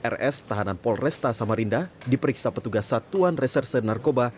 rs tahanan polresta samarinda diperiksa petugas satuan resor senarkoba